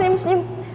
gila keren banget sih